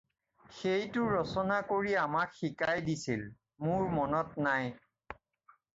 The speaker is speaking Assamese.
সেইটো ৰচনা কৰি আমাক শিকাই দিছিল মোৰ মনত নাই